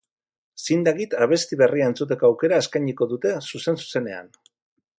Zin dagit abesti berria entzuteko aukera eskainiko dute zuzen-zuzenean.